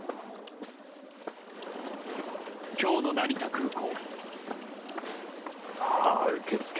今日の成田空港。